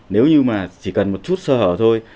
nếu như mà chỉ cần một chút sơ hở thôi